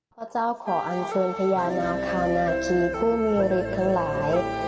พระเจ้าขออันเชิญพญานาคานาคีผู้มีฤทธิ์ทั้งหลาย